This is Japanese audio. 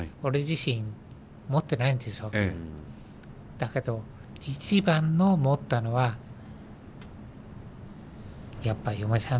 だけど一番の持ったのはやっぱ嫁さんですね。